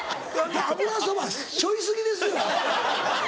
油そば背負い過ぎですよ。